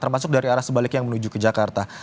termasuk dari arah sebalik yang menuju ke jakarta